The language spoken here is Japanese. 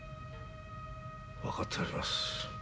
分かっております。